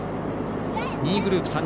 ２位グループ、３人。